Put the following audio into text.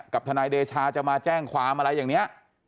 ทนายเดชาจะมาแจ้งความอะไรอย่างนี้